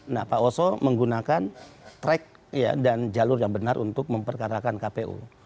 nah pak oso menggunakan track dan jalur yang benar untuk memperkarakan kpu